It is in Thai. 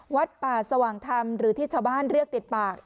วัดป่าสว่างธรรมหรือที่ชาวบ้านเรียกติดปาก